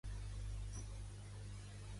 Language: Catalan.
Què era la font de Pirene?